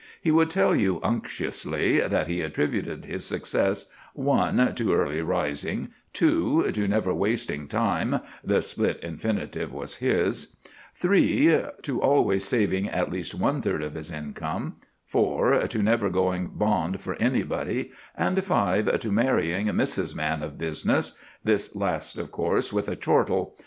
He would tell you unctuously that he attributed his success (1) to early rising, (2) to never wasting time [the split infinitive was his], (3) to always saving at least one third of his income, (4) to never going bond for anybody, and (5) to marrying Mrs. Man of Business this last, of course, with a chortle.